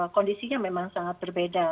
kondisinya memang sangat berbeda